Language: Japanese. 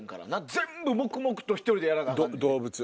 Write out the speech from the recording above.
全部黙々と１人でやらなあかんねん。